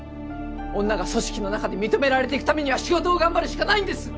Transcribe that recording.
女が組織の中で認められていくためには仕事を頑張るしかないんです！